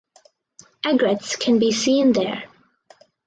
Egrets can be seen there.